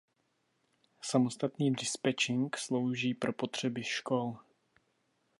Samostatný dispečink slouží pro potřeby škol.